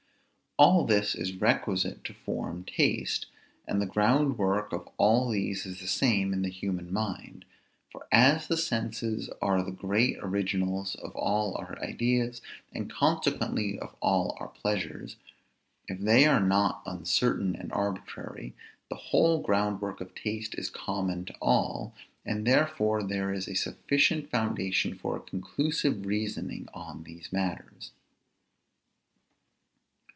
All this is requisite to form taste, and the groundwork of all these is the same in the human mind; for as the senses are the great originals of all our ideas, and consequently of all our pleasures, if they are not uncertain and arbitrary, the whole groundwork of taste is common to all, and therefore there is a sufficient foundation for a conclusive reasoning on these matters.